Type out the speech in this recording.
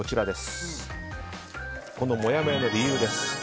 このもやもやの理由です。